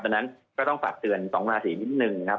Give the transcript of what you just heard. เพราะฉะนั้นก็ต้องฝากเตือนสองราศีนิดนึงนะครับ